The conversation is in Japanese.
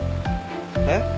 えっ？